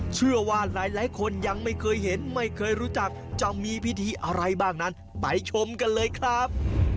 เชื่อว่าหลายคนยังไม่เคยเห็นไม่เคยรู้จักจะมีพิธีอะไรบ้างนั้นไปชมกันเลยครับ